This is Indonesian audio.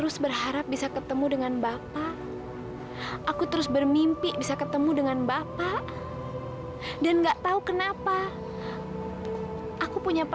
sampai jumpa di video selanjutnya